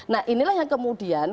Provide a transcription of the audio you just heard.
nah inilah yang kemudian